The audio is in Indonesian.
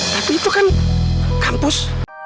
tapi itu kan kampus